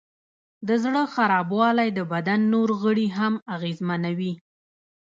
د زړه خرابوالی د بدن نور غړي هم اغېزمنوي.